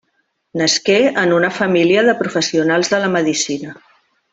Nasqué en una família de professionals de la medicina.